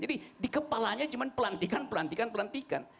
jadi di kepalanya cuma pelantikan pelantikan pelantikan